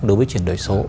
đối với chuyển đổi số